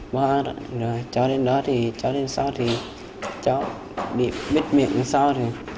rồi cháu đến đó thì cháu đến sau thì cháu bị bít miệng sau